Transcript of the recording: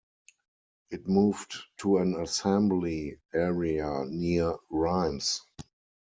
It moved to an assembly area near Rheims.